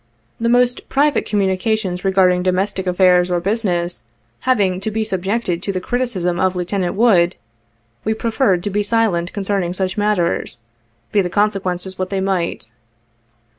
The most private communications regarding domestic affairs or business having to be subjected to the criticism of Lieutenant Wood, we preferred to be silent concerning such matters, be the consequences what they might.